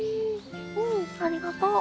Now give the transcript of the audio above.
うんありがとう。